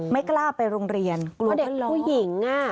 ไม่กล้าไปโรงเรียนกลัวเด็กผู้หญิง